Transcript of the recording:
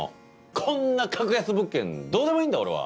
こんな格安物件どうでもいいんだ俺は。